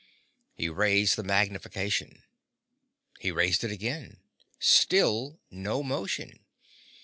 He raised the magnification. He raised it again. Still no motion.